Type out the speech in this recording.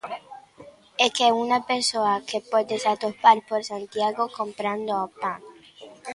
É que é unha persoa que podes atopar por Santiago comprando o pan.